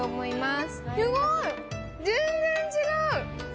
すごい、全然違う！